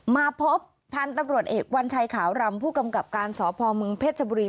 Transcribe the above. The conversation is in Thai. มาพบพันธุ์ตำรวจเอกวัญชัยขาวรำผู้กำกับการสพมเพชรบุรี